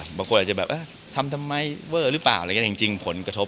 สำคัญจริงนะครับกับเรื่องนี้ครับ